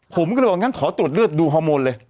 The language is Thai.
ผมก็เลยบอกงั้นขอตรวจเลือดดูฮอร์โมนเลย